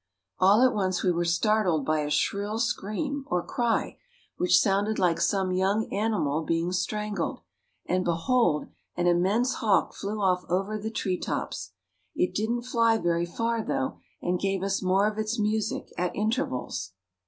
All at once we were startled by a shrill scream, or cry, which sounded like some young animal being strangled, and behold! an immense hawk flew off over the tree tops. It didn't fly very far though, and gave us more of its music at intervals.